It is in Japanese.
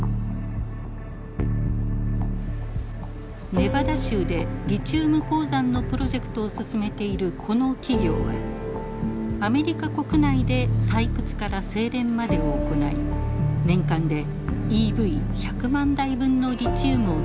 ネバダ州でリチウム鉱山のプロジェクトを進めているこの企業はアメリカ国内で採掘から精錬までを行い年間でＥＶ１００万台分のリチウムを生産する計画です。